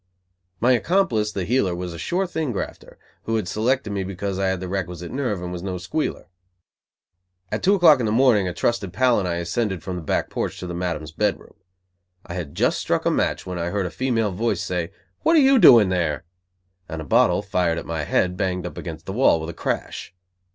My accomplice, the heeler, was a sure thing grafter, who had selected me because I had the requisite nerve and was no squealer. At two o'clock in the morning a trusted pal and I ascended from the back porch to the Madam's bed room. I had just struck a match, when I heard a female voice say, "What are you doing there?" and a bottle, fired at my head, banged up against the wall with a crash.